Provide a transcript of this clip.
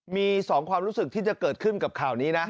มี๒ความรู้สึกที่จะเกิดขึ้นกับข่าวนี้นะ